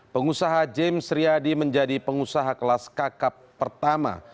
pengusaha james riyadi menjadi pengusaha kelas kakap pertama